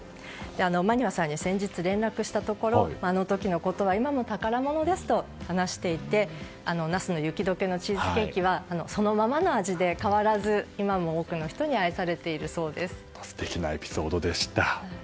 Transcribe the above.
摩庭さんに先日、連絡したところあの時のことは今も宝物ですと話していて那須の雪解けのチーズケーキはそのままの味で変わらず今も多くの人に素敵なエピソードでした。